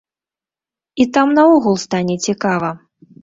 І там наогул стане цікава.